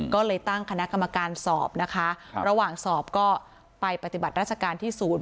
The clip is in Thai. ก็เลยตั้งคณะกรรมการสอบนะคะระหว่างสอบก็ไปปฏิบัติราชการที่ศูนย์